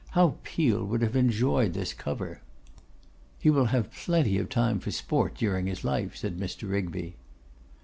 'How Peel would have enjoyed this cover!' 'He will have plenty of time for sport during his life,' said Mr. Rigby.